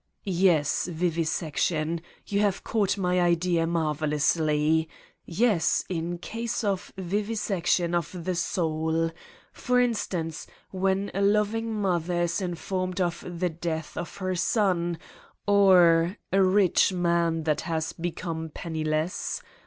"Yes, vivisection. You have caught my idea marvelously. Yes, in cases of vivisection of the soul. For instance, when a loving mother is in formed of the death of her son or ... a rich man that he has become penniless.